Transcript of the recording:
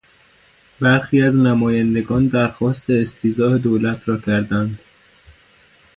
برخی از نمایندگان در خواست استیضاح دولت را کردند.